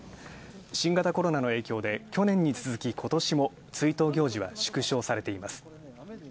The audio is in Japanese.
新型コロナの影響で去年に続き今年も追悼行事は縮小されています。